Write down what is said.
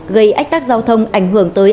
gây ách tác giao thông ảnh hưởng tới